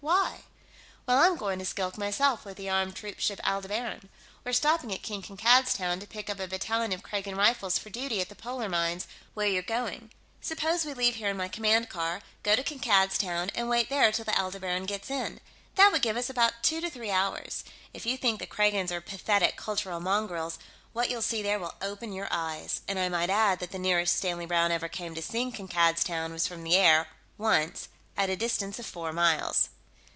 Why?" "Well, I'm going to Skilk, myself, with the armed troopship Aldebaran. We're stopping at King Kankad's Town to pick up a battalion of Kragan Rifles for duty at the polar mines, where you're going. Suppose we leave here in my command car, go to Kankad's Town, and wait there till the Aldebaran gets in. That would give us about two to three hours. If you think the Kragans are 'pathetic cultural mongrels,' what you'll see there will open your eyes. And I might add that the nearest Stanley Browne ever came to seeing Kankad's Town was from the air, once, at a distance of four miles."